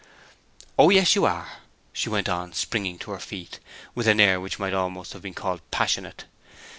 "Oh yes, you are," she went on, springing to her feet with an air which might almost have been called passionate.